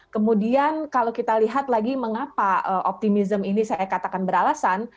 kemudian kalau kita lihat lagi mengapa optimism ini saya katakan beralasan